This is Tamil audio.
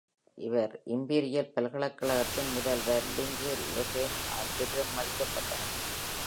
அவர் இம்பீரியல் பல்கலைக்கழகத்தின் முதல்வர் லிங்கு டெஃபென்-ஆல் பெரிதும் மதிக்கப்பட்டார்.